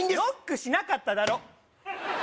ノックしなかっただろ